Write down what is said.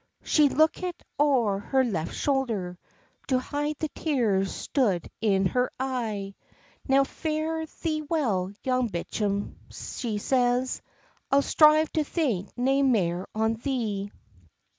She's lookit oer her left shoulder To hide the tears stood in her ee; "Now fare thee well, Young Bicham," she says, "I'll strive to think nae mair on thee."